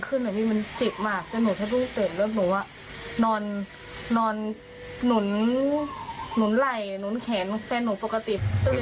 อื้อป่ะหนูปกติ